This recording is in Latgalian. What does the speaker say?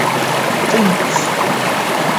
Tynks.